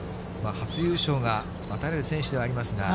初優勝が待たれる選手ではありますが。